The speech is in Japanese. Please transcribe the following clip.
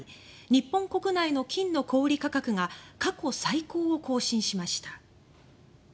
日本国内の金の小売価格が過去最高を更新しました。